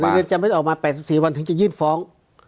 อยู่ในเดือนจำไม่ต้องออกมาแปดสิบสี่วันถึงจะยื่นฟ้อง